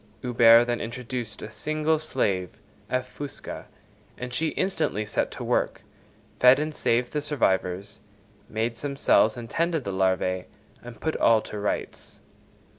Huber then introduced a single slave (F. fusca), and she instantly set to work, fed and saved the survivors; made some cells and tended the larvæ, and put all to rights.